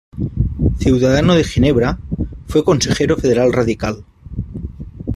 Ciudadano de Ginebra, fue consejero federal radical.